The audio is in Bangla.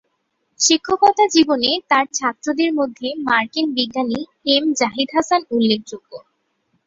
শিক্ষকতা জীবনে তার ছাত্রদের মধ্যে মার্কিন বিজ্ঞানী এম জাহিদ হাসান উল্লেখযোগ্য।